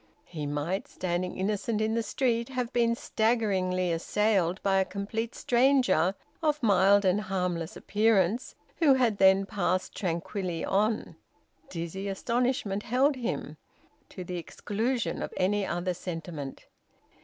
He might, standing innocent in the street, have been staggeringly assailed by a complete stranger of mild and harmless appearance, who had then passed tranquilly on. Dizzy astonishment held him, to the exclusion of any other sentiment.